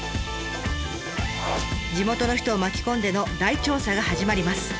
地元の人を巻き込んでの大調査が始まります。